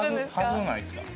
はずないですか？